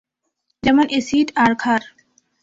যেমন- এসিড আর ক্ষার!